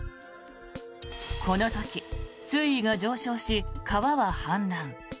この時、水位が上昇し川は氾濫。